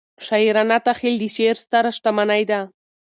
شاعرانه تخیل د شعر ستره شتمنۍ ده.